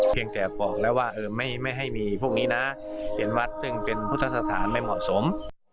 จากบอกแล้วว่าไม่ให้มีพวกนี้นะเห็นวัดซึ่งเป็นพุทธสถานไม่เหมาะสม